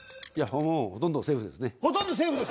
ほとんどセーフですか？